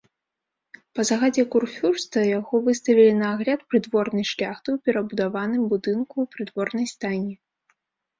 Па загадзе курфюрста яго выставілі на агляд прыдворнай шляхты ў перабудаваным будынку прыдворнай стайні.